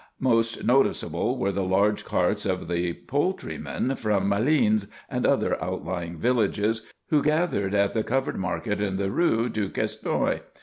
Most noticeable were the large carts of the poultrymen from Malines and other outlying villages who gathered at the covered market in the Rue Duquesnoy.